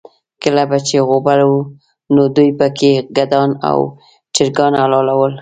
کله به چې غوبل و، نو دوی به پکې ګډان او چرګان حلالول.